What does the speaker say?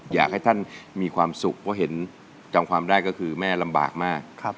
อยากให้ท่านมีความสุขเพราะเห็นจำความได้ก็คือแม่ลำบากมาก